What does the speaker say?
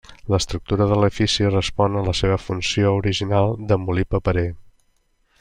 L'estructura de l'edifici respon a la seva funció original de molí paperer.